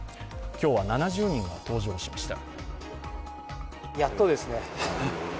今日は７０人が搭乗しました。